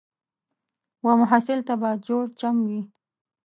و محصل ته به جوړ چم وي